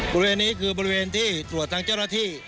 บริเวณนี้คือบริเวณที่ตรวจทางเจ้าหน้าที่